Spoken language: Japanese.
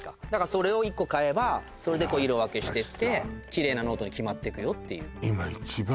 それを１個買えばそれでこう色分けしてってキレイなノートにきまってくよっていう今一番